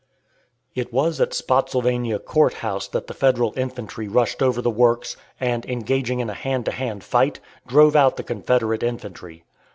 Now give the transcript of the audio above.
It was at Spottsylvania Court House that the Federal infantry rushed over the works, and, engaging in a hand to hand fight, drove out the Confederate infantry.